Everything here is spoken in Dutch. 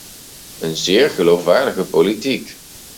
Een zeer geloofwaardige politiek!